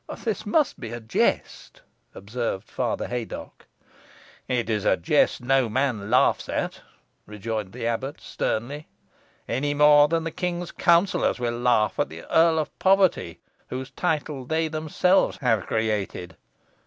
"This must be a jest," observed Father Haydocke. "It is a jest no man laughs at," rejoined the abbot, sternly; "any more than the king's counsellors will laugh at the Earl of Poverty, whose title they themselves have created.